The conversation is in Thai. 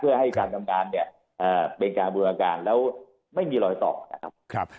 เป็นการทำงานเนี่ยเป็นการบูรณาการแล้วไม่มีรอยตอบนะครับ